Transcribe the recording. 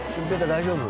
大大丈夫？